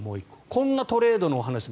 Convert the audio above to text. こんなトレードの話も。